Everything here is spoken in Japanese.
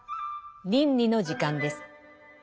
倫理の時間です。